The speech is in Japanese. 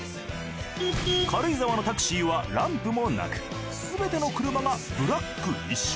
軽井沢のタクシーはランプもなくすべての車がブラック一色。